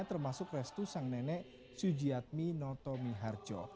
termasuk restu sang nenek sujiatmi noto miharjo